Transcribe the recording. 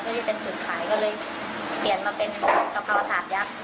ที่เป็นจุดขายก็เลยเปลี่ยนมาเป็นของกะเพราถาดยักษ์